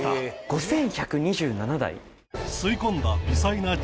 ５１２７台？